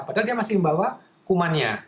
padahal dia masih membawa kumannya